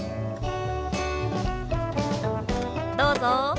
どうぞ。